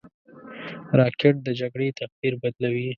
راکټ د جګړې تقدیر بدلوي